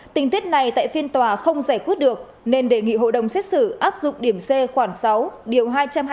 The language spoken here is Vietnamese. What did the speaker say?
tình tiết này tại phiên tòa không giải quyết được nên đề nghị hội đồng xét xử áp dụng điểm c khoảng sáu điều hai trăm hai mươi